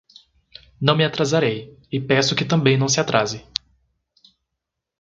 Não me atrasarei, e peço que também não se atrase